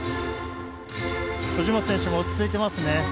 藤本選手も落ち着いていますね。